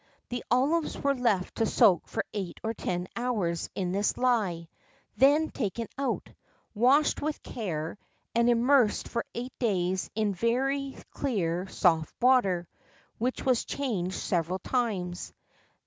The olives were left to soak for eight or ten hours in this lye; then taken out, washed with care, and immersed for eight days in very clear soft water, which was changed several times.